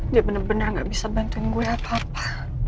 dia benar benar gak bisa bantuin gue apa apa